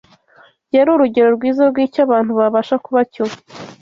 Yari urugero rwiza rw’icyo abantu babasha kuba cyo